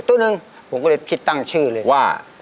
ตู้นึงผมก็เลยคิดตั้งชื่อเลยว่า